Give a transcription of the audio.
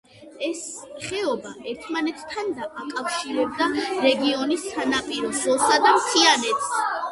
ეს ხეობა ერთმანეთთან აკავშირებდა რეგიონის სანაპირო ზოლსა და მთიანეთს.